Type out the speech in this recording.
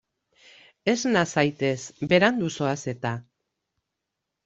Esna zaitez, berandu zoaz eta.